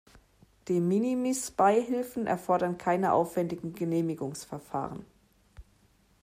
De-minimis-Beihilfen erfordern keine aufwändigen Genehmigungsverfahren.